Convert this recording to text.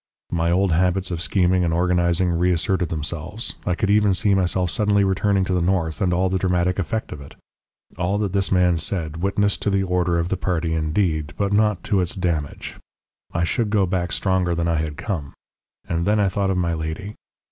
"My old habits of scheming and organising reasserted themselves. I could even see myself suddenly returning to the north, and all the dramatic effect of it. All that this man said witnessed to the disorder of the party indeed, but not to its damage. I should go back stronger than I had come. And then I thought of my lady.